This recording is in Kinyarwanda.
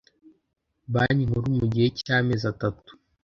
banki nkuru mu gihe cy amezi atatu